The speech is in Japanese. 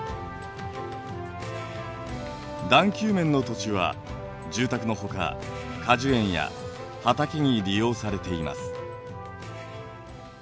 段丘面の土地は住宅のほか果樹園や畑に利用されています。